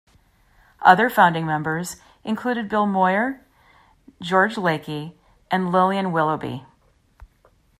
Other founding members included Bill Moyer, George Lakey and Lillian Willoughby.